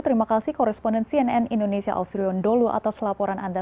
terima kasih koresponden cnn indonesia ausirion dholu atas laporan anda